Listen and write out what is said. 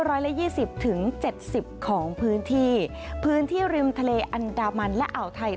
ร้อยละยี่สิบถึงเจ็ดสิบของพื้นที่พื้นที่ริมทะเลอันดามันและอ่าวไทย